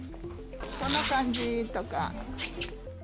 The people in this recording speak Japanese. こんな感じとか。